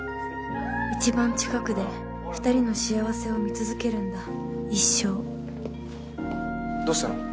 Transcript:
一番近くで２人の幸せを見続けるんだ一生どうしたの？